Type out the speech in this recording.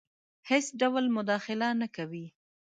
هیڅ ډول مداخله نه کوي.